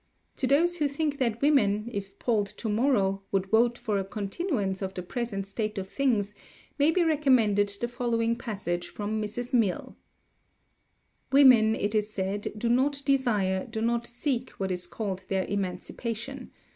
To those who think that women, if polled to morrow, would vote for a continuance of the present state of things, may be recommended the following passage from Mrs. Mill: "Women, it is said, do not desire, do not seek what is called their emancipation.